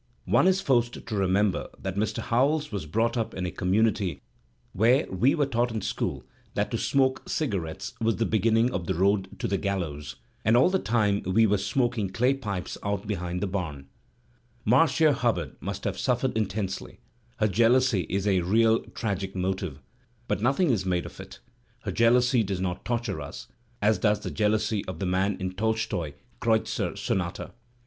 One is forced to remember that Mr. Howells was brought up in a com munity where we were taught in school that to smoke Digitized by Google 286 THE SPmiT OF AMERICAN LITERATURE cigarettes was the beginning of the road to the gallows; and all the time we were smoking clay pipes out behind the barn. Marda Hubbard must have suffered intensely; her jealousy is a real tragic motive, but nothing is made of it; her jealousy does not torture us, as does the jealousy of the man in Tolstoy's "Kreutzer Sonata."